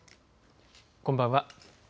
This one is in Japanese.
こんばんは。